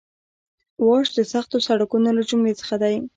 واش د سختو سړکونو له جملې څخه دی